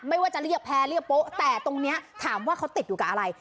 ไม่ว่าจะเรียกแพ้เรียกโป๊ะแต่ตรงนี้ถามว่าเขาติดอยู่กับอะไร